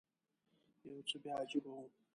یو څه بیا عجیبه و.